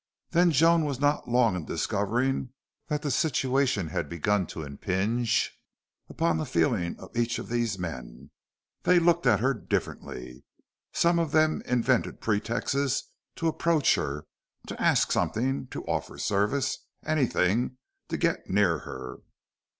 Then Joan was not long in discovering that the situation had begun to impinge upon the feelings of each of these men. They looked at her differently. Some of them invented pretexts to approach her, to ask something, to offer service anything to get near her.